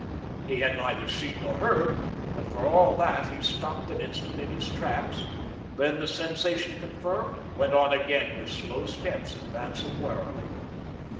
He had neither seen nor heard, but for all that he stopped an instant in his tracks; then, the sensation confirmed, went on again with slow steps, advancing warily.